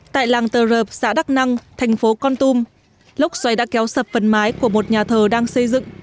tại làng tờ rợp xã đắc năng thành phố con tum lốc xoáy đã kéo sập phần mái của một nhà thờ đang xây dựng